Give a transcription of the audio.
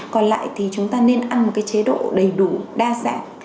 còn lại thì chúng ta nên ăn một cái chế độ đầy đủ đa dạng